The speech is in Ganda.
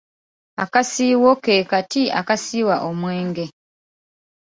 Akasiiwo ke kati akasiwa omwenge.